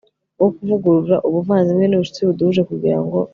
wo kuvugurura ubuvandimwe n'ubucuti buduhuje kugira ngo